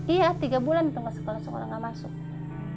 iya tiga bulan di tengah sekolah sekolah enggak masuk